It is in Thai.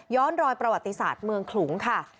รอยประวัติศาสตร์เมืองขลุงค่ะ